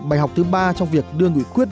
bài học thứ ba trong việc đưa nguyện quyết